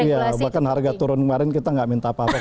iya bahkan harga turun kemarin kita nggak minta apa apa